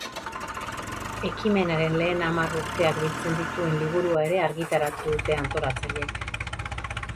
Ekimenaren lehen hamar urteak biltzen dituen liburua ere argitaratu dute antolatzaileek.